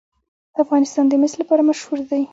افغانستان د مس لپاره مشهور دی.